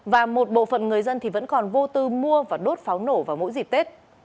và một bộ phận người dân thì vẫn còn vô tư mua và đốt pháo nổ vào mỗi dịp tết